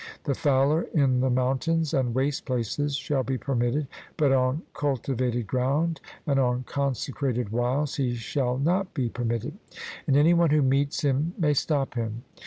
The fowler in the mountains and waste places shall be permitted, but on cultivated ground and on consecrated wilds he shall not be permitted; and any one who meets him may stop him.